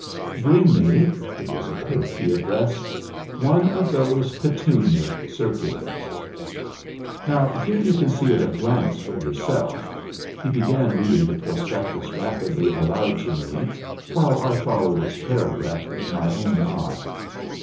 Bring me (it was a clerk he addressed) one of those Petunia circulars. Now here you can see at a glance for yourself.' He began reading the prospectus rapidly aloud to me while I followed its paragraphs with my own eye.